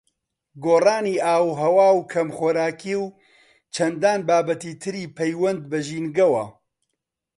گۆڕانی ئاووهەوا و کەمخۆراکی و چەندان بابەتی تری پەیوەند بە ژینگەوە